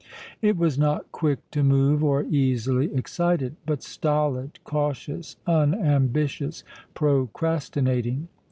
It was not quick to move or easily excited; but stolid, cautious, unambitious, procrastinating.